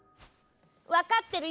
わかってるよ！